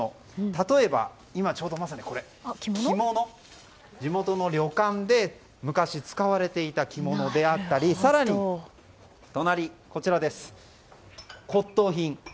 例えば、今まさにこれ地元の旅館で昔使われていた着物であったり更に隣は骨董品。